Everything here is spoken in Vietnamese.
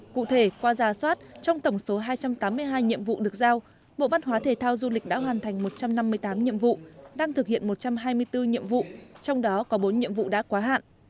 cụ thể qua giả soát trong tổng số hai trăm tám mươi hai nhiệm vụ được giao bộ văn hóa thể thao du lịch đã hoàn thành một trăm năm mươi tám nhiệm vụ đang thực hiện một trăm hai mươi bốn nhiệm vụ trong đó có bốn nhiệm vụ đã quá hạn